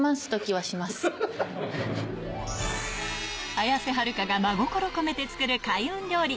綾瀬はるかが真心込めて作る開運料理